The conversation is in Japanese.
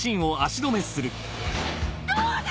どうだ！